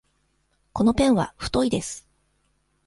このペンは太いです。